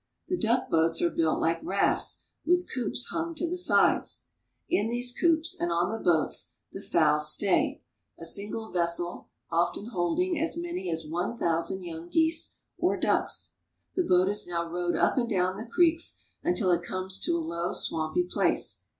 The duck boats are built like rafts, with coops hung to the sides. In these coops and on the boats the fowls stay, 156 CHINESE FARMS AND FARMING a single vessel often holding as many as one thousand young geese or ducks. The boat is now rowed up and down the creeks until it comes to a low, swampy place.